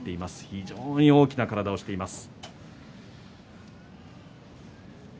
非常に大きな体をしています。